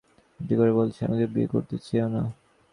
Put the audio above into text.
মিনতি করে বলছি, আমাকে বিয়ে করতে চেয়ো না।